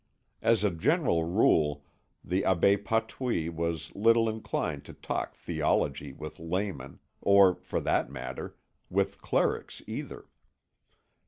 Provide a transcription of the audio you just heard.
As a general rule the Abbé Patouille was little inclined to talk theology with laymen, or, for that matter, with clerics either.